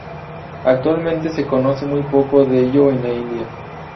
Actualmente, se conoce muy poco de ello en la India.